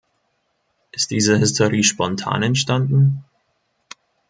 Ist diese Hysterie spontan entstanden?